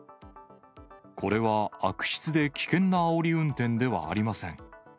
これは悪質で危険なあおり運転ではありません。